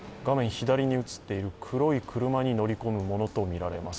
左に移っている黒い車に乗り込むものと思われます。